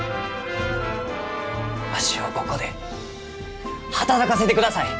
わしをここで働かせてください！